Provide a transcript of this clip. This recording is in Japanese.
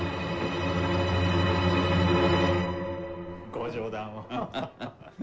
ご冗談を。